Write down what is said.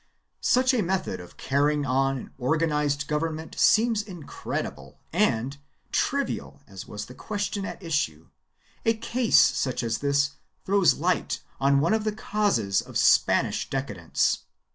1 Such a method of carrying on an organized government seems incredible and, trivial as was the question at issue, a case such as this throws light on one of the causes of Spanish decadence.